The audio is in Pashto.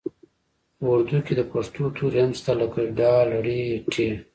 په اردو کې د پښتو توري هم شته لکه ډ ړ ټ